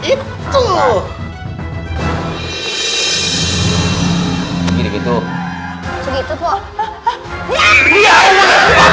apa apa dia tunggu sayur juga